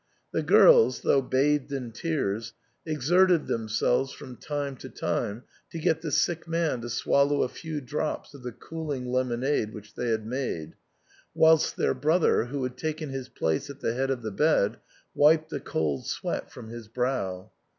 The girls, though bathed in tears, exerted themselves from time to time to get the sick man to swallow a few drops of the cooling lemonade which they had made, whilst their brother, who had taken his place at the head of the bed, wiped the cold sweat from his brow.